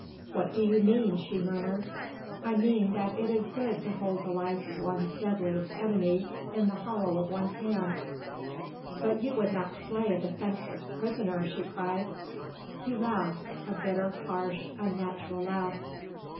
"What do you mean?" she murmured. "I mean that it is good to hold the life of one's deadliest enemy in the hollow of one's hand." "But you would not slay a defenceless prisoner," she cried. He laughed, a bitter, harsh, unnatural laugh.